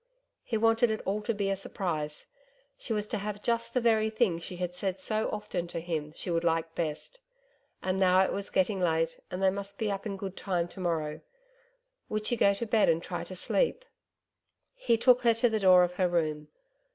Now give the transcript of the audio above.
He wanted it all to be a surprise .... She was to have just the very thing she had often said to him she would like best .... And now it was getting late and they must be up in good time to morrow. Would she go to bed and try to sleep.... He took her to the door of her room